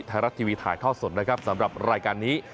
ไทยรัฐทีวีถ่ายทอดสดนะครับสำหรับรายการนี้